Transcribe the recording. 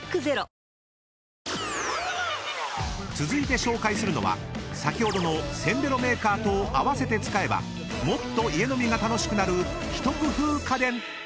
［続いて紹介するのは先ほどのせんべろメーカーと併せて使えばもっと家飲みが楽しくなる一工夫家電］